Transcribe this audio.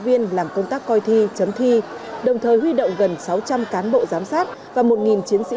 viên làm công tác coi thi chấm thi đồng thời huy động gần sáu trăm linh cán bộ giám sát và một chiến sĩ